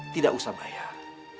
tidak usah bayar